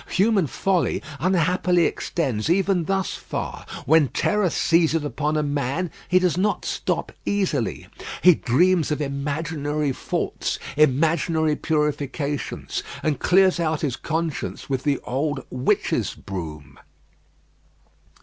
Human folly unhappily extends even thus far: when terror seizes upon a man he does not stop easily. He dreams of imaginary faults, imaginary purifications, and clears out his conscience with the old witches' broom.